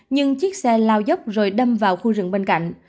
nhưng chiếc xe lao dốc rồi đâm vào khu rừng bên cạnh